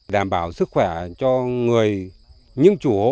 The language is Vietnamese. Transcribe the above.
đảm bảo sức khỏe cho những chủ hộ